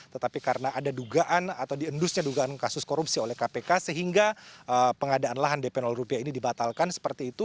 tetapi karena ada dugaan atau diendusnya dugaan kasus korupsi oleh kpk sehingga pengadaan lahan dp rupiah ini dibatalkan seperti itu